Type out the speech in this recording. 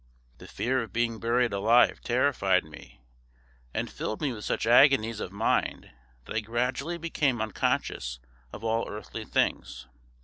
The fear of being buried alive terrified me and filled me with such agonies of mind that I gradually became unconscious of all earthly things.